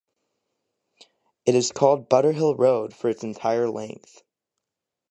It is called Butterhill Road for its entire length.